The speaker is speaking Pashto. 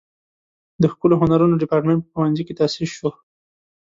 د ښکلو هنرونو دیپارتمنټ په پوهنځي کې تاسیس شو.